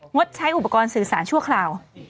ดใช้อุปกรณ์สื่อสารชั่วคราว